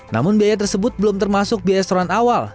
namun biaya tersebut belum termasuk biaya seran awal